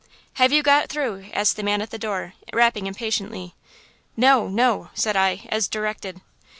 "'Have you got through?' asked the man at the door, rapping impatiently. "'No, no,' said I, as directed.